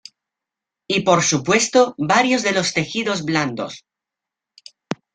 Y por supuesto, varios de los tejidos blandos.